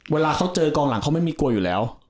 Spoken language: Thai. เวลาเขาเจอกองหลังเขาไม่มีกลัวอยู่แล้ว